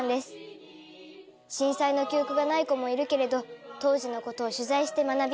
震災の記憶がない子もいるけれど当時のことを取材して学び